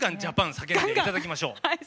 叫んでいただきましょう。